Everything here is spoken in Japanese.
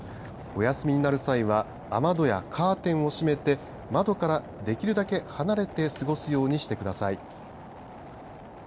お休みになる際は雨戸やカーテンを閉めて窓から、できるだけ離れて過ごすようにしてください。